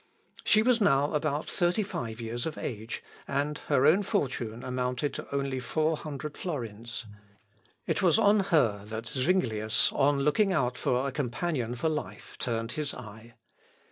She was now about thirty five years of age, and her own fortune amounted only to four hundred florins. It was on her that Zuinglius, on looking out for a companion for life, turned his eye.